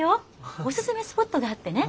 おすすめスポットがあってね。